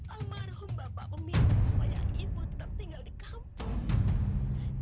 almarhum bapak pemimpin supaya ibu tetap tinggal di kampung